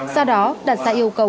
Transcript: sau đó đặt ra yêu cầu